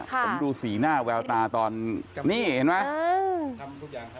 ผมดูสีหน้าแววตาตอนนี้เห็นไหม